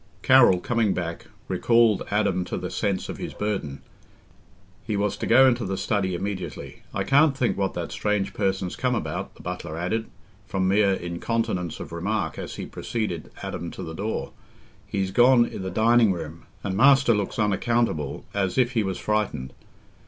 Carroll, coming back, recalled Adam to the sense of his burden. He was to go into the study immediately. "I can't think what that strange person's come about," the butler added, from mere incontinence of remark, as he preceded Adam to the door, "he's gone i' the dining room. And master looks unaccountable—as if he was frightened."